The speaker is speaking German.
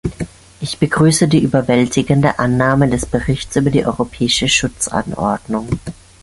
Ich begrüße die überwältigende Annahme des Berichts über die Europäische Schutzanordnung.